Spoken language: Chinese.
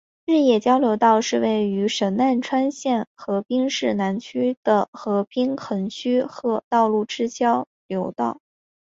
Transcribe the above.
日野交流道是位于神奈川县横滨市南区的横滨横须贺道路之交流道。